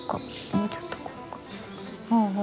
もうちょっとこうか？